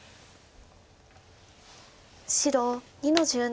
白２の十七。